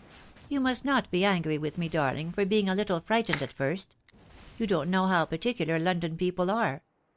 " You must not be angry with me, darling, for being a Httle frightened at iirst. You don't know how partieulai^ London people are